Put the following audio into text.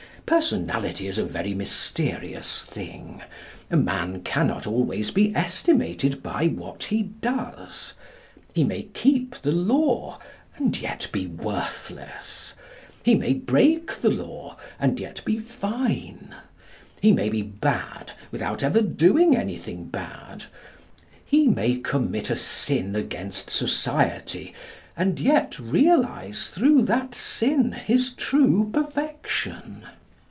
Personality is a very mysterious thing. A man cannot always be estimated by what he does. He may keep the law, and yet be worthless. He may break the law, and yet be fine. He may be bad, without ever doing anything bad. He may commit a sin against society, and yet realise through that sin his true perfection.